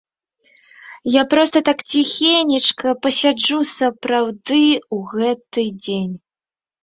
Я проста так ціхенечка пасяджу сапраўды ў гэты дзень.